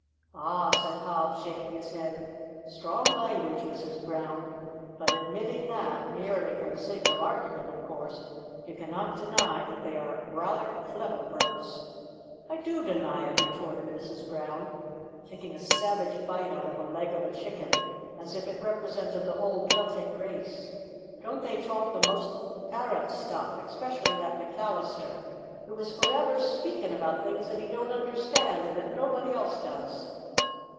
"Ah!" said Hobbs, shaking his head, "strong language, Mrs Brown. But, admitting that, (merely for the sake of argument, of course), you cannot deny that they are raither clever brutes." "I do deny it," retorted Mrs Brown, taking a savage bite out of the leg of a chicken, as if it represented the whole Celtic race. "Don't they talk the most arrant stuff? specially that McAllister, who is forever speakin' about things that he don't understand, and that nobody else does!"